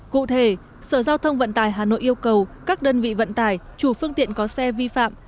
cụ thể sở giao thông vận tải hà nội yêu cầu các đơn vị vận tải chủ phương tiện có xe vi phạm